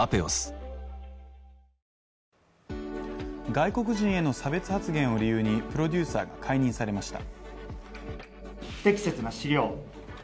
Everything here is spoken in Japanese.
外国人への差別発言を理由にプロデューサーが解任されました。